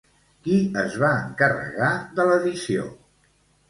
Qui es va encarregar de l'edició?